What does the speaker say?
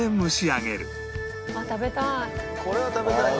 あっ食べたい。